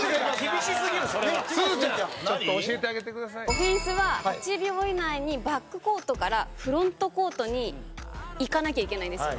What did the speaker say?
オフェンスは、８秒以内にバックコートからフロントコートに行かなきゃいけないんですよ。